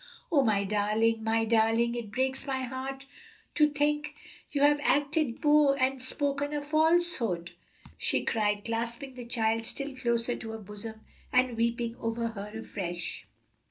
O my darling, my darling, it breaks my heart to think you have both acted and spoken a falsehood!" she cried, clasping the child still closer to her bosom and weeping over her afresh.